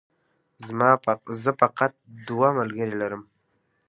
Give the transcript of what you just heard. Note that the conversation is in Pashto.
زه فقط دوه ملګري لرم